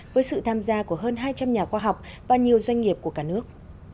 với sự tham gia của hơn hai trăm linh nhà khoa học và nhiều doanh nghiệp của cả nước